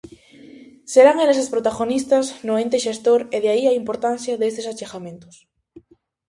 Serán elas as protagonistas no ente xestor e de aí a importancia destes achegamentos.